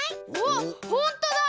あっほんとだ！